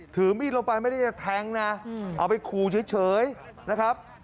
ถือมีดลงไปไม่ได้จะแทงนะเอาไปขู่เฉยนะครับ